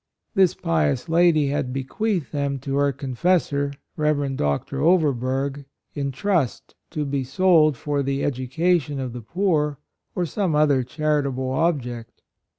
This pious lady had bequeathed them to her Confessor, Rev. Dr. Overberg, in trust to be sold for the education of the poor, or some other charitable object.